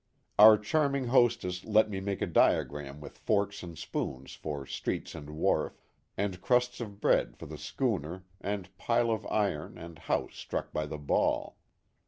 Our charming hostess let me make a diagram with forks and spoons for streets and wharf, and crusts of bread for the schooner and pile of iron and house struck by the ball.